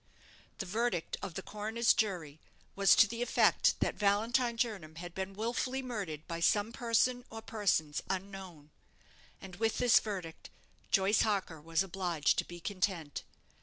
The verdict of the coroner's jury was to the effect that Valentine Jernam had been wilfully murdered by some person or persons unknown. And with this verdict Joyce Harker was obliged to be content.